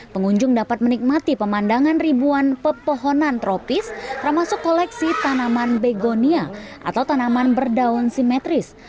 pengunjung dapat menikmati pemandangan ribuan pepohonan tropis termasuk koleksi tanaman begonia atau tanaman berdaun simetris